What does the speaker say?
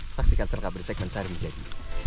saksikan sel kabar di segmen sehari ini